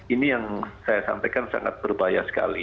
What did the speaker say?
ini yang saya sampaikan sangat berbahaya sekali